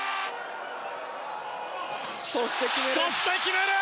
そして決める！